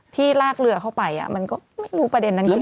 ที่ลากเรือเข้าไปมันก็ไม่รู้ประเด็นนั้นจริง